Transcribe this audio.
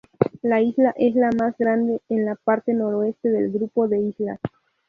La isla, es la más grande en la parte noroeste del grupo de islas.